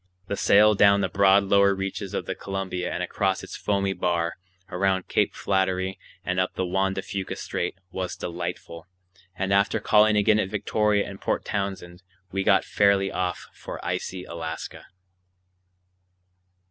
The sail down the broad lower reaches of the Columbia and across its foamy bar, around Cape Flattery, and up the Juan de Fuca Strait, was delightful; and after calling again at Victoria and Port Townsend we got fairly off for icy Alaska.